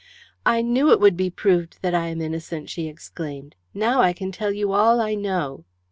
"I knew it would be proved that I am innocent," she exclaimed. "Now I can tell you all I know."